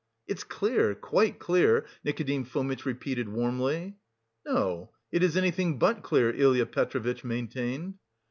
"It's clear, quite clear," Nikodim Fomitch repeated warmly. "No, it is anything but clear," Ilya Petrovitch maintained.